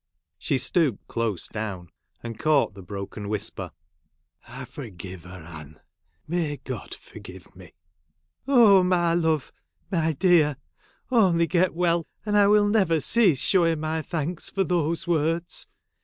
She stooped close down, and caught the broken whisper, ' I forgive her, Anne ! May God forgive me.' ' Oh my love, my dear ! only get well, and I will never cease showing my thanks for those words.